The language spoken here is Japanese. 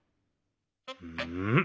うん？